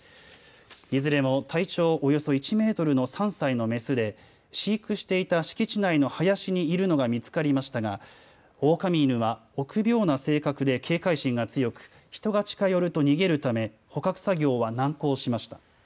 いずれも体長およそ１メートルの３歳のメスで飼育していた敷地内の林にいるのが見つかりましたがオオカミ犬は臆病な性格で警戒心が強く、人が近寄ると逃げるため捕獲作業は難航しました。